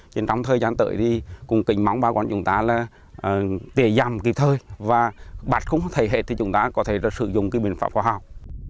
trên trong thời gian tới thì cùng kinh mong bà con chúng ta là tỉa dằm kịp thời và bạch không thể hết thì chúng ta có thể sử dụng cái biện pháp hoa học